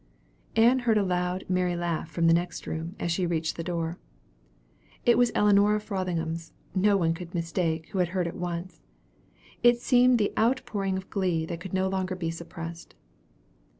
Ann heard a loud, merry laugh from the next room, as she reached the door. It was Ellinora Frothingham's; no one could mistake, who had heard it once. It seemed the out pouring of glee that could no longer be suppressed.